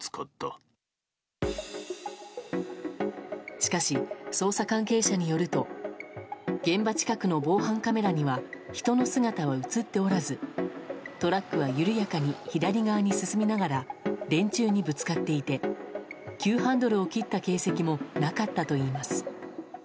しかし、捜査関係者によると現場近くの防犯カメラには人の姿は映っておらずトラックは緩やかに左側に進みながら電柱にぶつかっていて急ハンドルを切った形跡もなかったといいます。